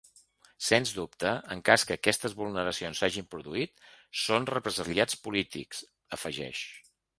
Sens dubte, en cas que aquestes vulneracions s’hagin produït, són represaliats polítics, afegeix.